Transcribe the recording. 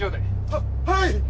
ははい！